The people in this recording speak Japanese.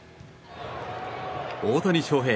大谷翔平